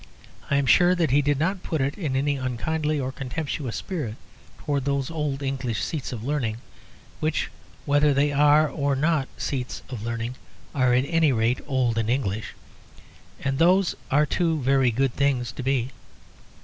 I am sure that he did not put it in any unkindly or contemptuous spirit towards those old English seats of learning, which whether they are or are not seats of learning, are, at any rate, old and English, and those are two very good things to be.